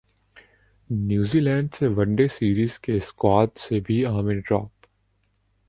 نیوزی Zealand سے one day series کے squad سے بھی عامر ڈراپ